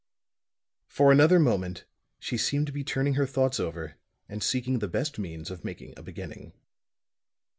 For another moment she seemed to be turning her thoughts over and seeking the best means of making a beginning.